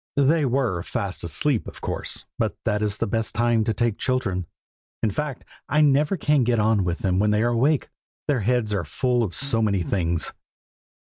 They were fast asleep, of course, but that is the best time to take children. In fact, I never can get on with them when they are awake, their heads are full of so many things.